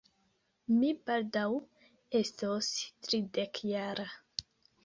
Mi baldaŭ estos tridekjara.